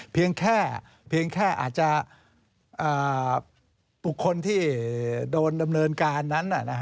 เพียงแค่อาจจะบุคคลที่โดนดำเนินการนั้น